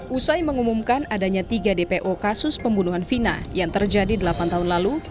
usai mengumumkan adanya tiga dpo kasus pembunuhan vina yang terjadi delapan tahun lalu